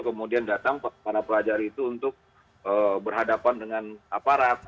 kemudian datang para pelajar itu untuk berhadapan dengan aparat